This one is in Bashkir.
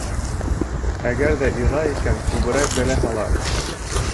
Әгәр ҙә илай икән, күберәк бәлә һала.